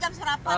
dua jam serapan